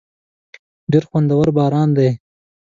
ډېر خوندور باران دی.